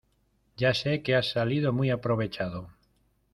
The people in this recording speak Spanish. Ya sé que has salido muy aprovechado.